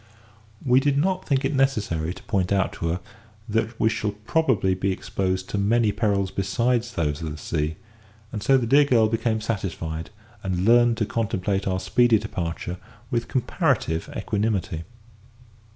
We did not think it necessary to point out to her that we should probably be exposed to many perils besides those of the sea; and so the dear girl became satisfied, and learned to contemplate our speedy departure with comparative equanimity.